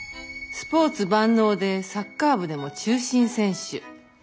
スポーツ万能でサッカー部でも中心選手。